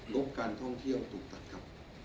งบการท่องเที่ยวถูกตัดครับ